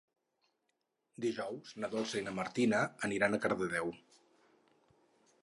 Dijous na Dolça i na Martina aniran a Cardedeu.